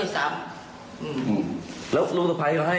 สร้างมันไม่ได้